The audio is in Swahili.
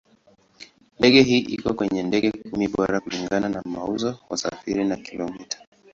Ndege hii iko kwenye ndege kumi bora kulingana na mauzo, wasafiri na kilomita.